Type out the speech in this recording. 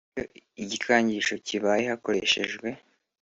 Iyo igikangisho kibaye hakoreshejwe